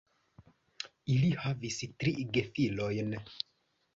Ili havis tri gefilojn.